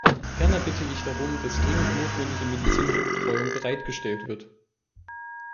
Ferner bitte ich darum, dass dringend notwendige medizinische Betreuung bereitgestellt wird.